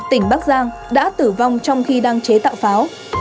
tỉnh bắc giang đã tử vong trong khi đang chế tạo pháo